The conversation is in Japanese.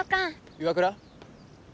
岩倉。